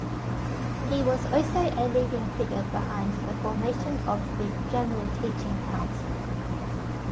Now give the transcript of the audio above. He was also a leading figure behind the formation of the General Teaching Council.